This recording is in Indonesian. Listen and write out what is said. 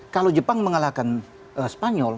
kalau jepang mengalahkan spanyol